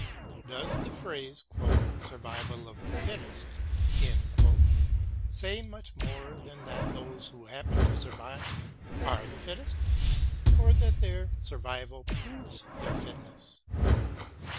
Does the phrase "survival of the fittest" say much more than that those who happen to survive are the fittest, or that their survival proves their fitness?